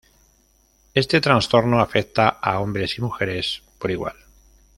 Este trastorno afecta a hombres y mujeres por igual.